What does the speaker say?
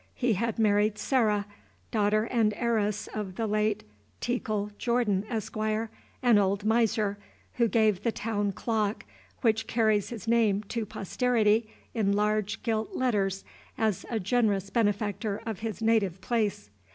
He had married Sarah, daughter and heiress of the late Tekel Jordan, Esq., an old miser, who gave the town clock, which carries his name to posterity in large gilt letters as a generous benefactor of his native place.